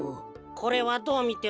これはどうみても。